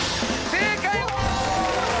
正解！